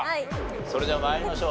それでは参りましょう。